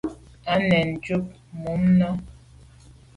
Á nèn njwit mum nà.